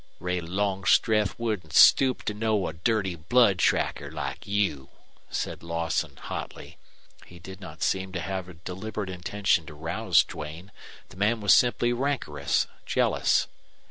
"Ray Longstreth wouldn't stoop to know a dirty blood tracker like you," said Lawson, hotly. He did not seem to have a deliberate intention to rouse Duane; the man was simply rancorous, jealous.